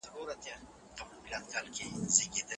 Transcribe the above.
ايا ټولنيز قوانين د طبيعي قوانينو تابع دي؟